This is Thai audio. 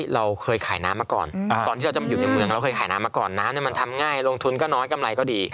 เราเคยขายน้ำมาก่อนนะน้ำนั้นมันทำง่ายลงทุนก็น้อยกำไรก็ดี